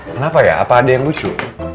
kenapa ya apa ada yang lucu